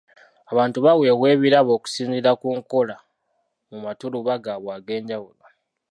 Abantu baweebwa ebirabo okusinzira ku nkola mu matuluba gaabwe eg'enjawulo.